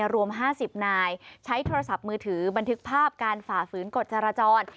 รวม๕๐นายใช้โทรศัพท์มือถือบันทึกภาพการฝ่าฝืนกฎจราจร